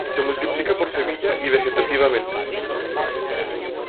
Se multiplica por semilla y vegetativamente.